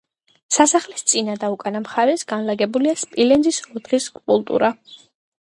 სასახლის წინა და უკანა მხარეს განლაგებულია სპილენძის ოთხი სკულპტურა.